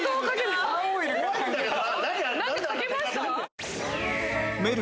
怖いんだけど。